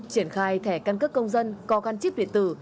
triển khai thẻ căn cấp công dân có căn chip điện tử